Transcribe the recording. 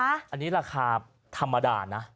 อันนี้ราคาธรรมดานะ